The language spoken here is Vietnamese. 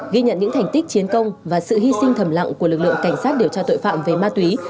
ghi nhận những thành tích chiến công và sự hy sinh thầm lặng của lực lượng cảnh sát điều tra tội phạm về ma túy